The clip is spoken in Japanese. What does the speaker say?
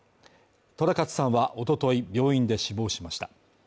寅勝さんは一昨日病院で死亡しました。